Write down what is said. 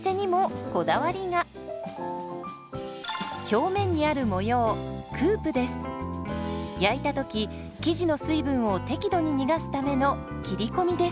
表面にある模様焼いた時生地の水分を適度に逃がすための切り込みです。